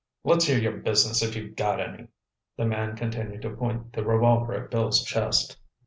"Let's hear your business if you've got any." The man continued to point the revolver at Bill's chest.